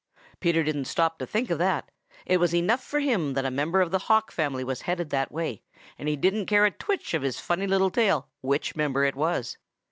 Peter didn't stop to think of that. It was enough for him that a member of the Hawk family was headed that way, and he didn't care a twitch of his funny little tail which member it was.